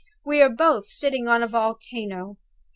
"We are both sitting on a volcano.